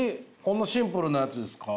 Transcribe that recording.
このシンプルなやつですか？